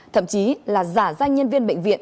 thậm chí là giả danh nhân viên bệnh viện